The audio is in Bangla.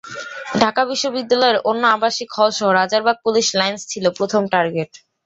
ঢাকা বিশ্ববিদ্যালয়ের অন্য আবাসিক হলসহ রাজারবাগ পুলিশ লাইনস ছিল প্রথম টার্গেট।